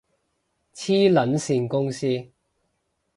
黐撚線公司